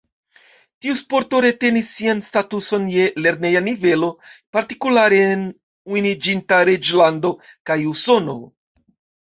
Tiu sporto retenis sian statuson je lerneja nivelo, partikulare en Unuiĝinta Reĝlando kaj Usono.